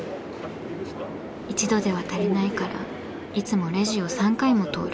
１度では足りないからいつもレジを３回も通る。